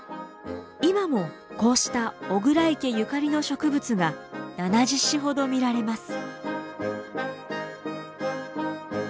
今もこうした巨椋池ゆかりの植物が７０種ほど見られます。